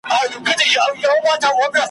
هغه خوب مي ریشتیا کیږي چي تعبیر مي اورېدلی ,